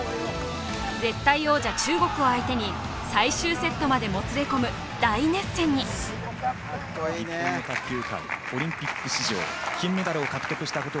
絶対王者・中国を相手に最終セットまでもつれ込む大熱戦に伊藤美誠決めたー！